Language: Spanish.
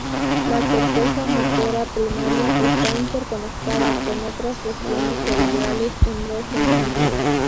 La corteza motora primaria está interconectada con otras regiones cerebrales en dos sentidos.